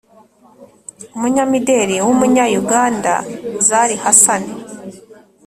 umunyamideli w’umunya-uganda, zari hassan,